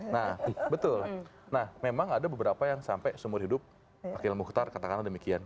nah betul nah memang ada beberapa yang sampai seumur hidup akhil mukhtar katakanlah demikian